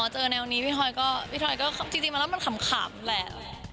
แนวนี้พี่ทอยก็พี่ทอยก็จริงมาแล้วมันขำแหละ